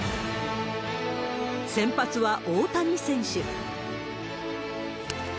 先発は大谷選手。